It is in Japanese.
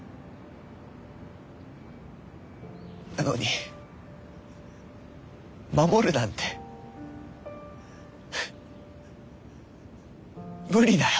なのに守るなんて無理だよ